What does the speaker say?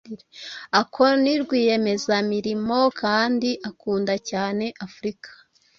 Akon ni rwiyemezamirimo kandi akunda cyane Afurika